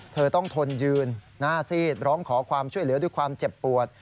เธอต้องทนยืนหน้าซีดร้องขอความช่วยเหลือด้วยความเจ็บปวด